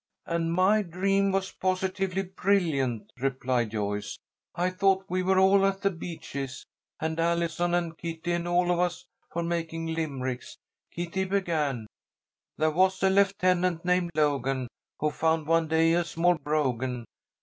"And my dream was positively brilliant," replied Joyce. "I thought we were all at The Beeches, and Allison, and Kitty, and all of us were making Limericks. Kitty began: "'There was a lieutenant named Logan, Who found one day a small brogan.'